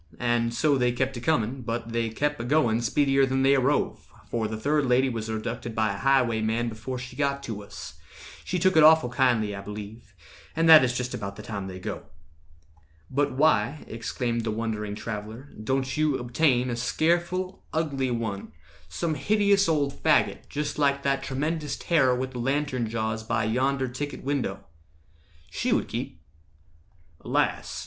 And so they kept a comin', but they kep' A going speedier than they arrove, For the third lady was abducted by A highwayman before she got to us— She took it awful kindly, I believe. And that is just about the time they go." "But why," exclaimed the wondering traveller, "Don't you obtain a scareful, ugly one— Some hideous old faggot, just like that Tremendous terror with the lantern jaws By yonder ticket window? She would keep." "Alas!